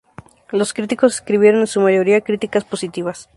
Los críticos escribieron en su mayoría críticas positivas.